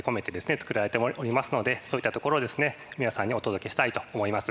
つくられておりますのでそういったところをですね皆さんにお届けしたいと思います。